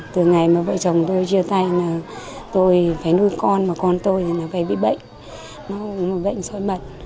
từ ngày mà vợ chồng tôi chia tay là tôi phải nuôi con mà con tôi là phải bị bệnh bệnh xoay mật